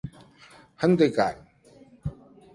Hentikan!